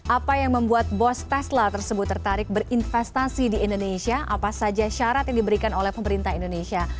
apa yang membuat bos tesla tersebut tertarik berinvestasi di indonesia apa saja syarat yang diberikan oleh pemerintah indonesia